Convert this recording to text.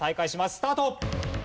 スタート！